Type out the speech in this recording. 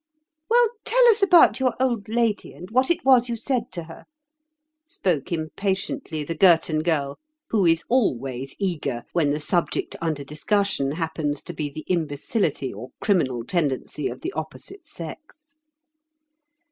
"Well, tell us about your old lady, and what it was you said to her," spoke impatiently the Girton Girl, who is always eager when the subject under discussion happens to be the imbecility or criminal tendency of the opposite sex.